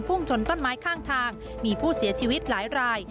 ชนต้นไม้ข้างทางมีผู้เสียชีวิตหลายราย